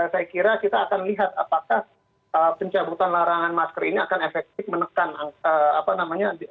saya kira kita akan lihat apakah pencabutan larangan masker ini akan efektif menekan angka apa namanya